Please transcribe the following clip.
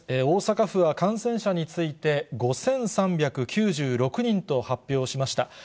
大阪府は感染者について、５３９６人と発表しました。